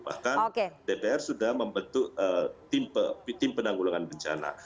bahkan dpr sudah membentuk tim penanggulangan bencana